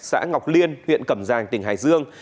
xã ngọc liên huyện cẩm giàng tỉnh hải dương